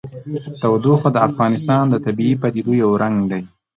تودوخه د افغانستان د طبیعي پدیدو یو رنګ دی.